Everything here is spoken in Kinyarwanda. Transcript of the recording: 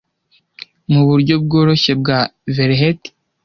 muburyo bworoshye bwa velheti